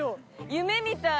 夢みたい。